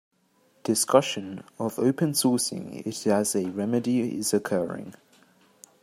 Discussion of open sourcing it as a remedy is occurring.